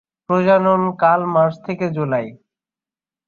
প্রজনন কাল মার্চ থেকে জুলাই।